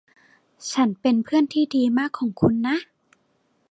ฉันเป็นเพื่อนที่ดีมากของคุณนะ